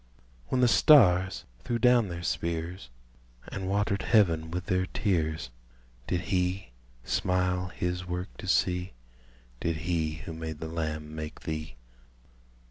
When the stars threw down their spears, And watered heaven with their tears, Did he smile his work to see? Did he who made the lamb make thee?